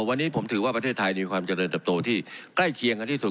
วันนี้ผมถือว่าประเทศไทยมีความเจริญเติบโตที่ใกล้เคียงกันที่สุด